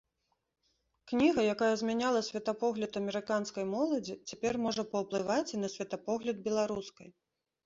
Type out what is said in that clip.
Кніга, якая змяняла светапогляд амерыканскай моладзі, цяпер можа паўплываць і на светапогляд беларускай.